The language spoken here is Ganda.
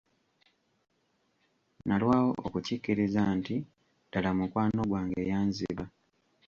Nalwawo okukikkiriza nti ddala mukwano gwange yanziba.